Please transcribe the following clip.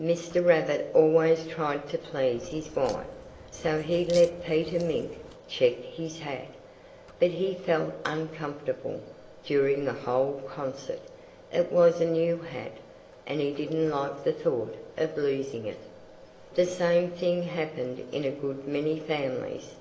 Mr. Rabbit always tried to please his wife. So he let Peter Mink check his hat. But he felt uncomfortable during the whole concert. It was a new hat. And he didn't like the thought of losing it. That same thing happened in a good many families.